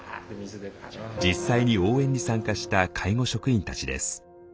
実際に応援に参加した介護職員たちです。